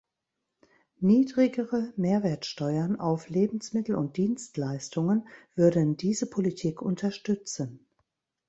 Niedrigere Mehrwertsteuern auf Lebensmittel und Dienstleistungen würden diese Politik unterstützen.